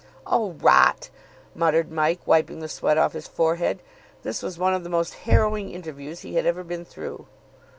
'" "Oh, rot," muttered Mike, wiping the sweat off his forehead. This was one of the most harrowing interviews he had ever been through.